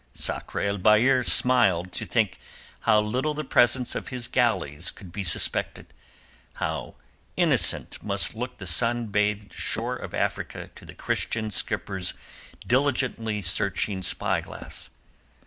Sakr el Bahr smiled to think how little the presence of his galleys could be suspected, how innocent must look the sun bathed shore of Africa to the Christian skipper's diligently searching spy glass.